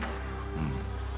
うん。